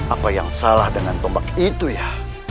apa yang salah dengan tombak itu ya